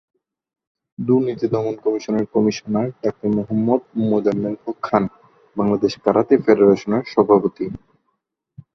দুর্নীতি দমন কমিশনের commissioner doctor Mohammad Mozammel Haque Khan, Bangladesh karate ফেডারেশনের সভাপতি।